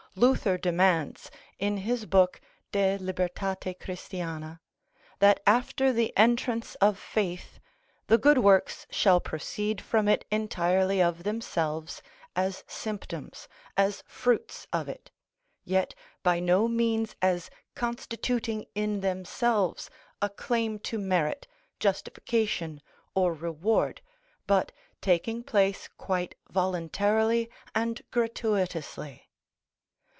Luther demands (in his book "De Libertate Christiana") that after the entrance of faith the good works shall proceed from it entirely of themselves, as symptoms, as fruits of it; yet by no means as constituting in themselves a claim to merit, justification, or reward, but taking place quite voluntarily and gratuitously.